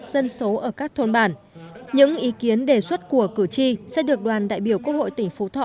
dân số ở các thôn bản những ý kiến đề xuất của cử tri sẽ được đoàn đại biểu quốc hội tỉnh phú thọ